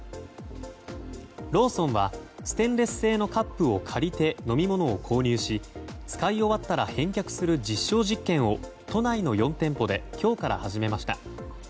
ローソンはステンレス製のカップを借りて飲み物を購入し使い終わったら返却する実証実験を都内の４店舗で今日から始めました。